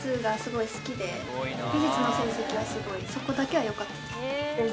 美術の成績はすごいそこだけはよかったですえっ